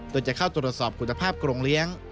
โดยจะเข้าตรวจสอบคุณภาพกรงเลี้ยง